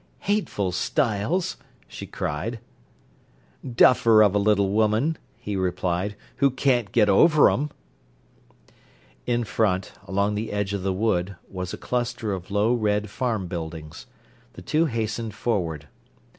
"Hateful stiles!" she cried. "Duffer of a little woman," he replied, "who can't get over 'em." In front, along the edge of the wood, was a cluster of low red farm buildings. The two hastened forward.